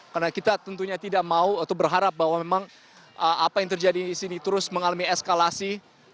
karena kita tentunya tidak mau atau berharap bahwa memang apa yang terjadi di sini terus mengalami eskalasi